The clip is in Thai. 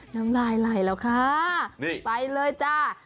น้ำลายไหลแล้วค่ะนี่ไปเลยจ้า